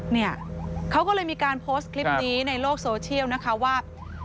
เนี่ยเขาก็เลยมีการโพสต์คลิปนี้ในโลกโซเชียลนะคะว่า